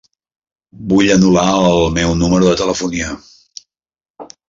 Vull anul·lar el meu número de telefonia.